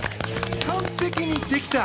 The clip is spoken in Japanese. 完璧にできた！